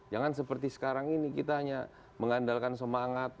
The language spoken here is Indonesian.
jangan seperti sekarang ini kita hanya mengandalkan semangat